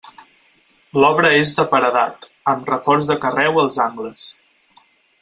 L'obra és de paredat, amb reforç de carreu als angles.